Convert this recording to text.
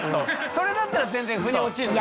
それだったら全然腑に落ちるのよ。